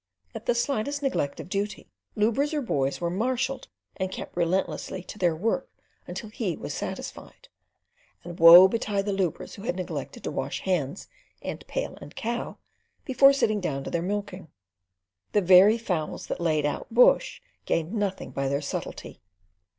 At the slightest neglect of duty, lubras or boys were marshalled and kept relentlessly to their work until he was satisfied; and woe betide the lubras who had neglected to wash hands, and pail and cow, before sitting down to their milking. The very fowls that laid out bush gained nothing by their subtlety.